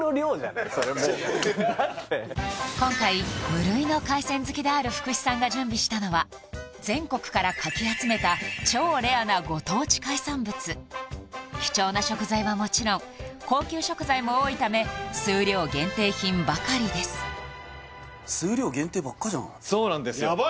そう今回無類の海鮮好きである福士さんが準備したのは全国からかき集めた超レアなご当地海産物貴重な食材はもちろん高級食材も多いため数量限定品ばかりですそうなんですよ